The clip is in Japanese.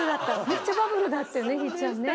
めっちゃバブルだったよねひーちゃんね。